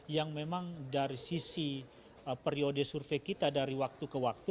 yang memang dari sisi periode survei kita dari waktu ke waktu